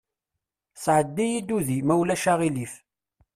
Sɛeddi-yi-d udi, ma ulac aɣilif.